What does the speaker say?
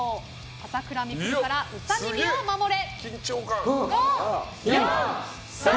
朝倉未来からウサ耳を守れ！